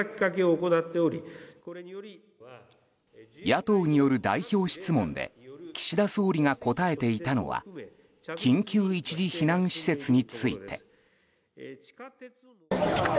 野党による代表質問で岸田総理が答えていたのは緊急一時避難施設について。